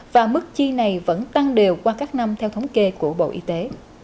và mức chi này vẫn tăng đều qua các năm theo thống kê của bộ y tế